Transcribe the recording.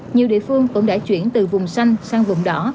nhiều địa phương cũng đã chuyển từ vùng xanh sang vùng đỏ